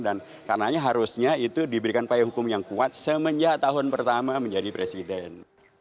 dan karena harusnya itu diberikan payah hukum yang kuat semenjak tahun pertama menjadi presiden